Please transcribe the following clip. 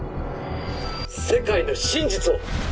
世界の真実を！